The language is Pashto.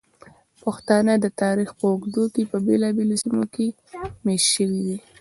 پښتانه د تاریخ په اوږدو کې په بېلابېلو سیمو کې میشت شوي دي.